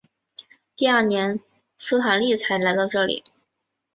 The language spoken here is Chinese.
第二年斯坦利才来到这里。